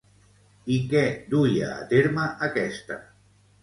I què duia a terme aquesta?